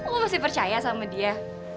gue masih percaya sama dia